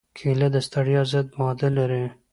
کېله د ستړیا ضد ماده لري.